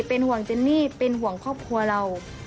เป็นห่วงเจนนี่เป็นห่วงครอบครัวเรา